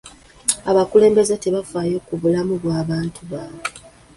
Abakulembeze tebafaayo ku bulamu bw'abantu baabwe.